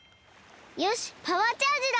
よしパワーチャージだ！